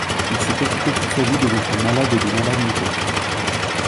Il s'est occupé toute sa vie des enfants malades et des malades mentaux.